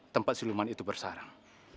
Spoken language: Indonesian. tempat si luman itu bersarang